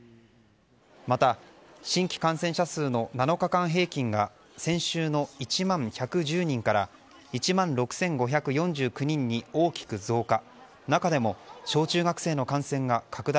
また、新規感染者数の７日平均が先週の１万１１０人から１万６５４９人に大きく増加。